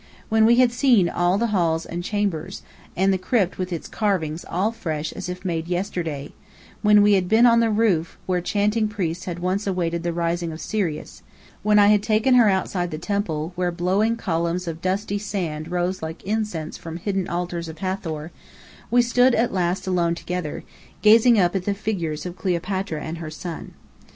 When we had seen all the halls and chambers, and the crypt with its carvings all fresh as if made yesterday; when we had been on the roof where chanting priests had once awaited the rising of Sirius; when I had taken her outside the temple, where blowing columns of dusty sand rose like incense from hidden altars of Hathor, we stood at last alone together, gazing up at the figures of Cleopatra and her son.